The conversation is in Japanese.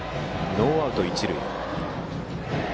ノーアウト一塁。